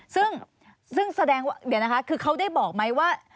ซึ่งแสดงว่าเดี๋ยวนะคะคือเขาได้บอกไหมว่า